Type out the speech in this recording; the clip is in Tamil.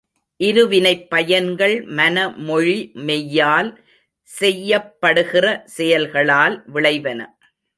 இருவினைப் பயன்கள் மன மொழி மெய்யால் செய்யப்படுகிற செயல்களால் விளைவன.